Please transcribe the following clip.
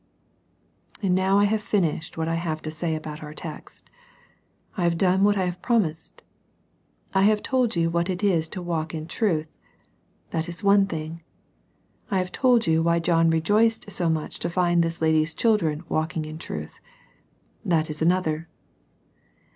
And now 1 have finished what I have to say about our text. I have done what I promised. J have told you what it is to walk in trutA, — CHILDREN WALKING IN TRUTH. 39 That is one thing. I have told you why John rejoiced so much to find this lady's children walking in truth. — That is another.